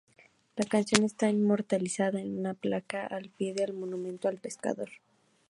La canción esta inmortalizada en una placa al pie del Monumento al Pescador.